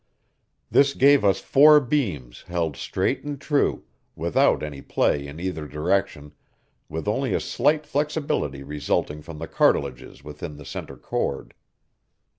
This gave us four beams held straight and true, without any play in either direction, with only a slight flexibility resulting from the cartilages within the center cord.